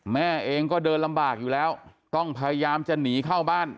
แม่เองก็เดินลำบากอยู่แล้วต้องพยายามจะหนีเข้าบ้าน